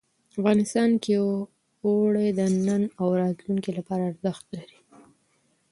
افغانستان کې اوړي د نن او راتلونکي لپاره ارزښت لري.